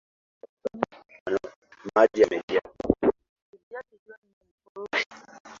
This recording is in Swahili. Bibi yake John ni mkorofi